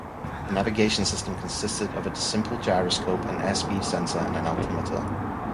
The navigation system consisted of a simple gyroscope, an airspeed sensor, and an altimeter.